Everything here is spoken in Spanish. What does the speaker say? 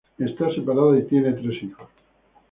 Está separada y tiene tres hijos.